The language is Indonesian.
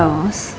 ada alasan kenapa